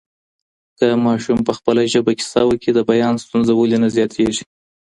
که ماسوم په خپله ژبه کيسه وکړي د بيان ستونزه ولې نه زياتېږي؟